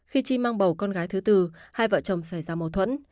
khi chi mang bầu con gái thứ từ hai vợ chồng xảy ra mâu thuẫn